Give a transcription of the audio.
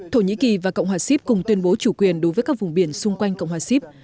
thổ nhĩ kỳ và cộng hòa sip cùng tuyên bố chủ quyền đối với các vùng biển xung quanh cộng hòa xíp